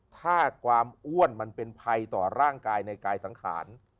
ถ้าความอ้วนมันเป็นภัยต่อร่างกายในกายสังขาร